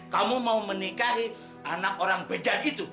kamu mau menikahi anak orang pejan itu